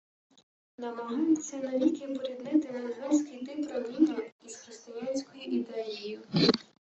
Намагаються навіки поріднити монгольський тип правління із християнською ідеєю